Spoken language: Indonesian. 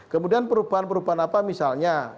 kemudian perubahan perubahan apa misalnya